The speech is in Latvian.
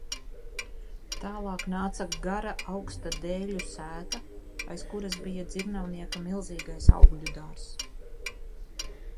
Tālāk nāca gara, augsta dēļu sēta, aiz kuras bija dzirnavnieka milzīgais augļu dārzs.